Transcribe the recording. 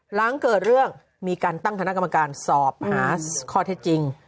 หลังเกิดเรื่องมีการตั้งคณะกรรมการสอบหาข้อเท็จจริง